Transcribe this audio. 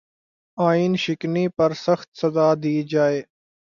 آئین شکنی پر سخت سزا دی جائے